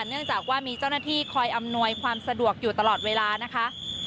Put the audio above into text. เนื่องจากว่ามีเจ้าหน้าที่คอยอำนวยความสะดวกอยู่ตลอดเวลานะคะ